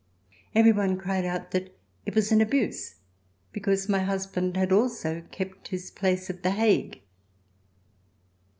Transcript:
Every one cried out that it was an abuse because my husband had also kept his place at The Hague.